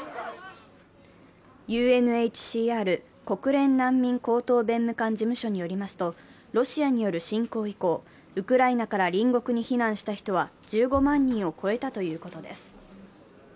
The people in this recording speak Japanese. ＵＮＨＣＲ＝国連難民高等弁務官事務所によりますとロシアによる侵攻以降、ウクライナから隣国に避難した人は１５万人を超えたということです。